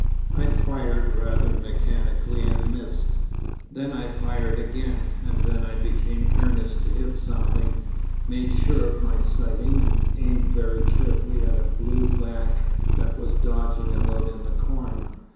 I fired rather mechanically and missed, then I fired again, and then I became earnest to hit something, made sure of my sighting, and aimed very carefully at a blue back that was dodging about in the corn.